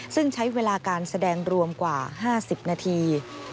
ซึ่งใช้เวลาการแสดงรวมกว่า๕๐นาที